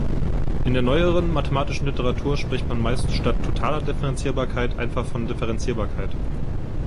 In der neueren mathematischen Literatur spricht man meist statt totaler Differenzierbarkeit einfach von Differenzierbarkeit.